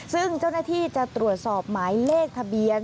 ซึ่งเจ้าหน้าที่จะตรวจสอบหมายเลขทะเบียน